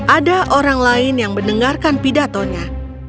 ada orang lain yang mendengarkan pidatonya